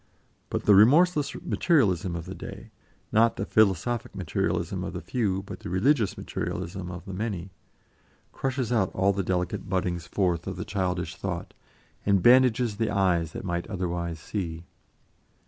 But the remorseless materialism of the day not the philosophic materialism of the few, but the religious materialism of the many crushes out all the delicate buddings forth of the childish thought, and bandages the eyes that might otherwise see.